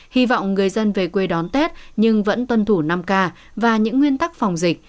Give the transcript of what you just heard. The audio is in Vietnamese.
hy vọng người dân về quê đón tết nhưng vẫn tuân thủ năm k và những nguyên tắc phòng dịch